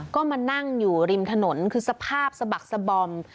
ก็มานั่งอยู่ริมถนนคือสภาพสะบักสบอม